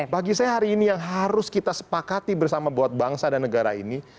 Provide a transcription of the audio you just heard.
bagi saya hari ini yang harus kita sepakati bersama buat bangsa dan negara ini